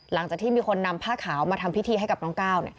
หลังจากที่มีคนนำผ้าขาวมาทำพิธีให้กับน้องก้าว